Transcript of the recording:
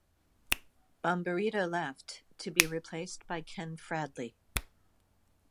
Bomberito left, to be replaced by Ken Fradley.